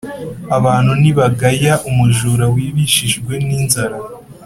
abantu ntibagaya umujura wibishijwe n’inzara,